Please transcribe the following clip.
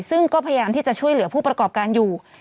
ซึ่งก็พยายามที่จะช่วยเหลือผู้ประกอบการอยู่